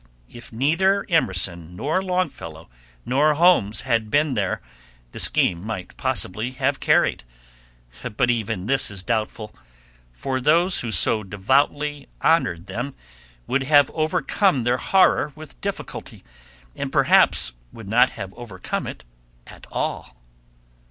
If neither Emerson, nor Longfellow, nor Holmes had been there, the scheme might possibly have carried, but even this is doubtful, for those who so devoutly honored them would have overcome their horror with difficulty, and perhaps would not have overcome it at all.